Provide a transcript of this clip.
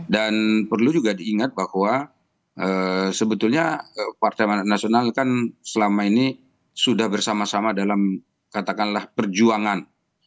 dan perlu juga diingat bahwa sebetulnya partai amanat nasional kan selama ini sudah bersama sama dalam katakanlah perjuangan